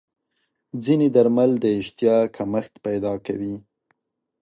ځینې درمل د اشتها کمښت پیدا کوي.